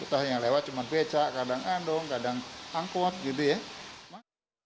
entah yang lewat cuma becak kadang andong kadang angkot gitu ya